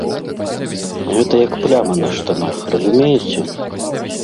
Гэта як пляма на штанах, разумееце?